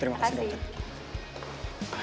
terima kasih dokter